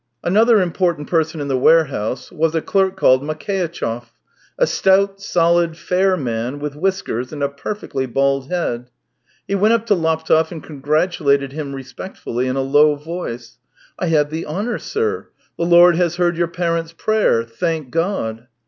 Another important person in the warehouse was a clerk called Makeitchev — a stout, solid, fair man with whiskers and a perfectly bald head. He went up to Laptev and congratulated him respectfully in a low voice :" I have the honour, sir. ... The Lord has heard your parent's prayer. Thank God."